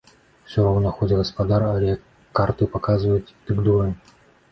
Усё роўна, хоць гаспадар, але, як карты паказваюць, дык дурань!